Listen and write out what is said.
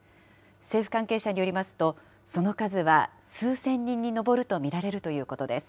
政府関係者によりますと、その数は数千人に上ると見られるということです。